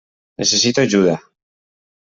Necessito ajuda.